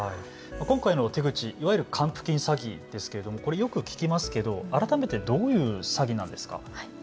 今回の手口、いわゆる還付金詐欺ですが、よく聞きますが改めてどういう詐欺なんですか。